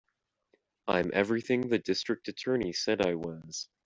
I'm everything the District Attorney said I was.